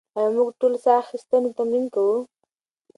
ایا موږ ټول ساه اخیستنې تمرین کوو؟